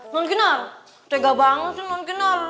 nonkenar tega banget sih nonkenar